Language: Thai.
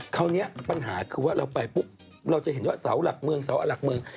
คราวนี้ปัญหาคือว่าเราไปปุ๊บเราจะเห็นว่าเสาหลักเมืองเสาหลักเมือง